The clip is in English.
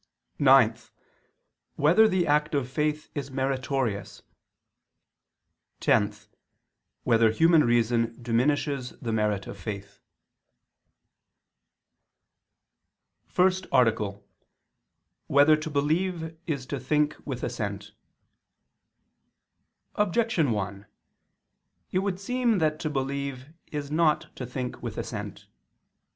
(9) Whether the act of faith is meritorious? (10) Whether human reason diminishes the merit of faith? _______________________ FIRST ARTICLE [II II, Q. 2, Art. 1] Whether to Believe Is to Think with Assent? Objection 1: It would seem that to believe is not to think with assent.